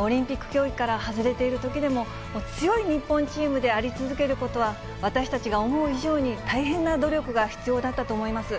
オリンピック競技から外れているときでも、強い日本チームであり続けることは、私たちが思う以上に大変な努力が必要だったと思います。